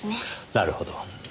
なるほど。